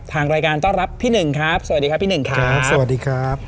ทางรายการต้อนรับพี่หนึ่งครับสวัสดีครับพี่หนึ่งครับสวัสดีครับ